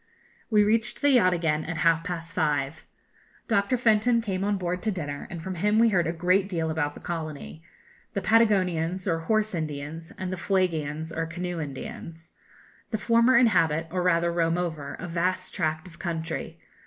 We reached the yacht again at half past five. Dr. Fenton came on board to dinner, and from him we heard a great deal about the colony, the Patagonians or Horse Indians, and the Fuegians or Canoe Indians. The former inhabit, or rather roam over, a vast tract of country.